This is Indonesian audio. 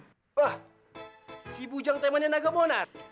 wah si bujang temannya naga monar